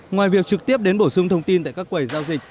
ngoài việc trực tiếp đến bổ sung thông tin tại các quầy giao dịch